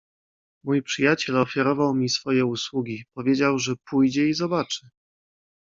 "Mój przyjaciel ofiarował mi swoje usługi, powiedział, że pójdzie i zobaczy."